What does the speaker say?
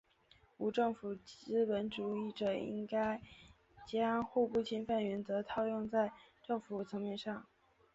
无政府资本主义者坚持应该将互不侵犯原则套用在政府层面上。